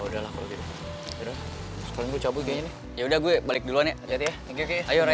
udah udahlah udah gue balik duluan ya